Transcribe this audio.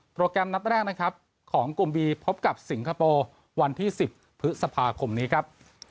แกรมนัดแรกนะครับของกลุ่มบีพบกับสิงคโปร์วันที่๑๐พฤษภาคมนี้ครับ